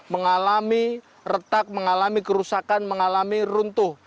mengalami retak mengalami kerusakan mengalami runtuh